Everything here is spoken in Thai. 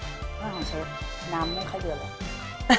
อาหารเชฟน้ำไม่เขยือเลย